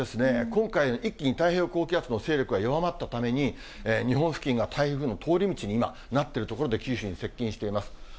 今回、一気に太平洋高気圧の勢力が弱まったために、日本付近が台風の通り道に今、なっているところで九州に接近しています。